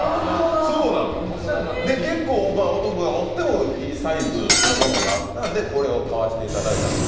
結構、男が持ってもいいサイズのものがあったので、これを買わせていただいたんです。